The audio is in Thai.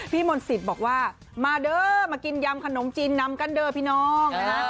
พี่มนต์สิทธิ์บอกว่ามาเด้อมากินยำขนมจินนำกันเด้อพี่น้อง